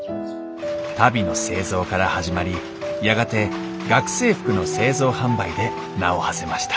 足袋の製造から始まりやがて学生服の製造販売で名をはせました